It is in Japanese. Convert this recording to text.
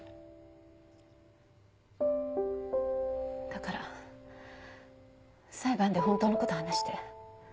だから裁判で本当の事話して。